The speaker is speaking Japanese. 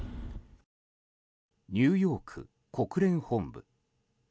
ニューヨーク国連本部。